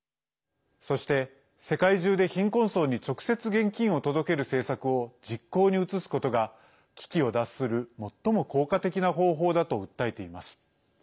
そして、世界中で貧困層に直接現金を届ける政策を実行に移すことが危機を脱する最も効果的な方法だと訴えています。